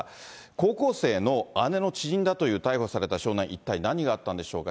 高校生の姉の知人だという逮捕された少年、一体何があったんでしょうか。